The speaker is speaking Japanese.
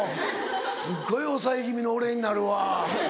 すっごい抑え気味の俺になるわ。